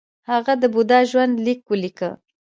هغه د بودا ژوند لیک ولیکه